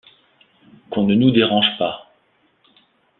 Qu’on ne nous dérange pas.